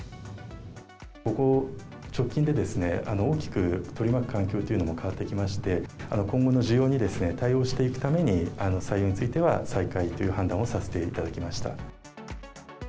ここ、直近でですね、大きく取り巻く環境というのも変わってきまして、今後の需要に対応していくために、採用については再開という判断をさせていただきました。